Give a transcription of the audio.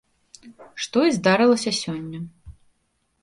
Што і здарылася сёння.